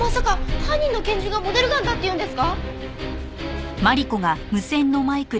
犯人の拳銃がモデルガンという事ですか？